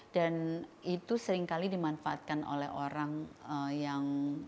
dan itu seringkali dimanfaatkan oleh orang yang